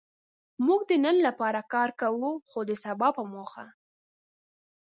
موږ د نن لپاره کار کوو؛ خو د سبا په موخه.